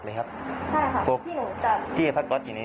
แล้วหนอบว่าหนอจะเล็กไปไหน